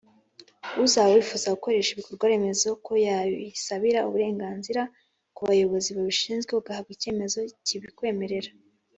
Uzaba wifuza gukoresha ibikorwaremezo ko yabisabira uburenganzira ku bayobozi babishinzwe agahabwa icyemezo kibimwemerea.